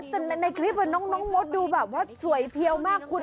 แต่ในคลิปน้องมดดูแบบว่าสวยเพียวมากคุณ